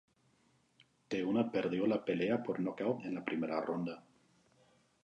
Te-Huna perdió la pelea por nocaut en la primera ronda.